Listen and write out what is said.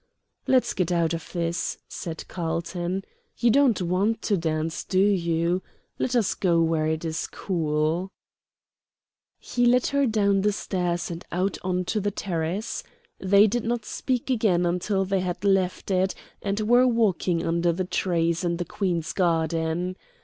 "Let's get out of this," said Carlton. "You don't want to dance, do you? Let us go where it's cool." He led her down the stairs, and out on to the terrace. They did not speak again until they had left it, and were walking under the trees in the Queen's garden.